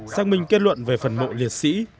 xác minh kết luận về phần mộ liệt sĩ